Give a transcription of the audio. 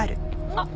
あっ。